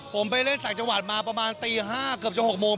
ผมไปเล่นต่างจังหวัดมาประมาณตี๕เกือบจะ๖โมง